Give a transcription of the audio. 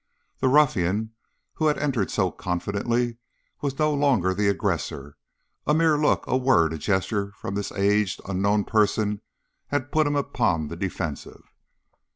The ruffian, who had entered so confidently, was no longer the aggressor; a mere look, a word, a gesture from this aged, unknown person had put him upon the defensive.